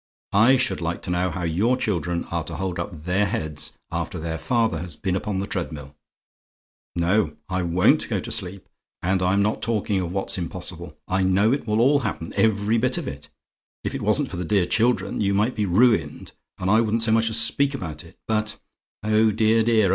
I should like to know how your children are to hold up their heads, after their father has been upon the treadmill? No; I WON'T go to sleep. And I'm not talking of what's impossible. I know it will all happen every bit of it. If it wasn't for the dear children, you might be ruined and I wouldn't so much as speak about it, but oh, dear, dear!